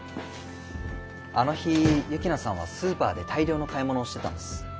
あの日幸那さんはスーパーで大量の買い物をしてたんです。